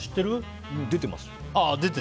出てます。